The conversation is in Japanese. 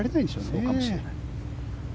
そうかもしれない。